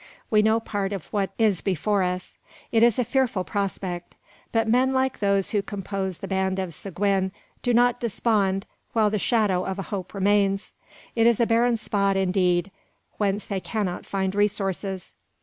We know part of what is before us. It is a fearful prospect; but men like those who compose the band of Seguin do not despond while the shadow of a hope remains. It is a barren spot indeed, where they cannot find resources.